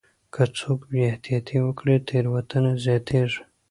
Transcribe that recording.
که څوک بې احتياطي وکړي تېروتنه زياتيږي.